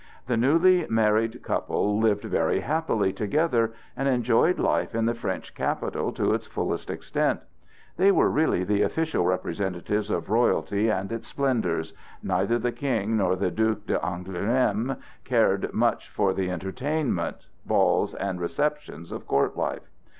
The newly married couple lived very happily together, and enjoyed life in the French capital to its fullest extent. They were really the official representatives of royalty and its splendors,—neither the King nor the Duc d'Angoulême caring much for the entertainments, balls, and receptions of court life.